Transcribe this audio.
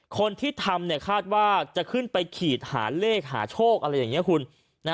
คนที่ทำคาดว่าจะขึ้นไปขีดหาเลขหาโชคอะไรอย่างนี้คุณ